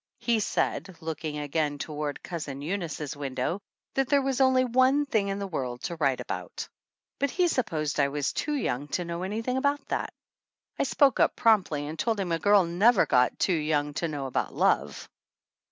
He said, looking again toward Cousin Eunice's window, that there was only one thing in the world to write about ! But he supposed I was too young to know anything about that. I spoke up promptly and told him a girl never got too young to know about love.